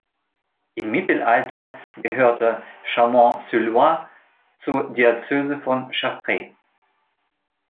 Im Mittelalter gehörte Chaumont-sur-Loire zur Diözese von Chartres.